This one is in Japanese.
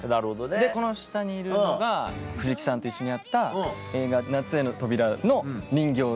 でこの下にいるのが藤木さんと一緒にやった映画『夏への扉』の人形。